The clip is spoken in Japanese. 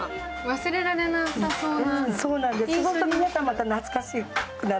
忘れられなさそうな。